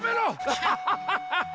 アハハハハ！